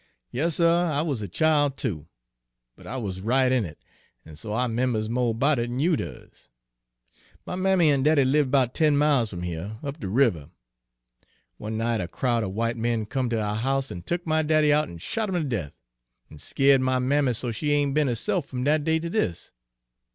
"Yas, suh; I was a chile, too, but I wuz right in it, an' so I 'members mo' erbout it 'n you does. My mammy an' daddy lived 'bout ten miles f'm here, up de river. One night a crowd er w'ite men come ter ou' house an' tuck my daddy out an' shot 'im ter death, an' skeered my mammy so she ain' be'n herse'f f'm dat day ter dis.